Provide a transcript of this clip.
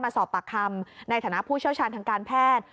สอบปากคำในฐานะผู้เชี่ยวชาญทางการแพทย์